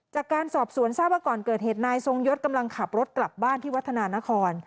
จากการสอบสวนทราบว่าก่อนเกิดเหตุนายทรงยศกำลังขับรถกลับบ้านที่วัฒนานคร